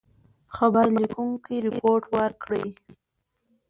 خبر لیکونکي رپوټ ورکړ.